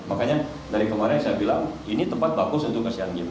makanya dari kemarin saya bilang ini tempat bagus untuk asean games